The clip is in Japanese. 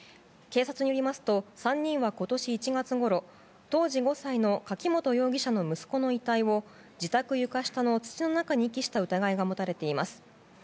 警察によりますと３人は今年１月ごろ当時５歳の柿本容疑者の息子の遺体を自宅床下の土の中に遺棄した疑いが持たれています。